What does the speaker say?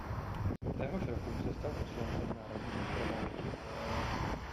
Téhož roku se stal poslancem Národního shromáždění.